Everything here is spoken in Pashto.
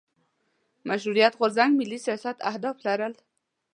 مشروطیت غورځنګ ملي سیاست اهداف لرل.